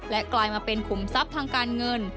กลายมาเป็นขุมทรัพย์ทางการเงิน